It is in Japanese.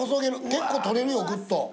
結構取れるよグッと。